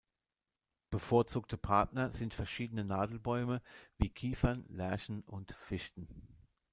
Bevorzugte Partner sind verschiedene Nadelbäume wie Kiefern, Lärchen und Fichten.